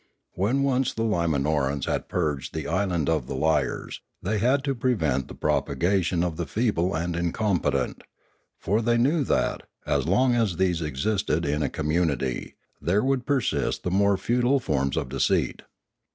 When once the Limanorans had purged the island of the liars, they had to prevent the propagation of the feeble and incompetent; for they knew that, as long as these existed in a community, there would per sist the more futile forms of deceit.